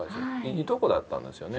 いとこだったんですよね？